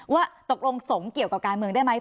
ว่าตกลงสงฆ์เกี่ยวกับการเมืองได้ไหม